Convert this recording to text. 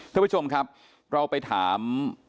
ท่านผู้ชมครับเราไปถาม